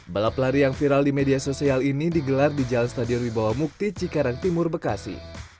balap lari yang viral di media sosial ini digelar di jalan stadion wibawa mukti cikarang timur bekasi